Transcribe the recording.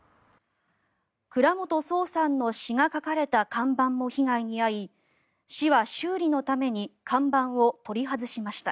倉本聰さんの詩が書かれた看板も被害に遭い市は修理のために看板を取り外しました。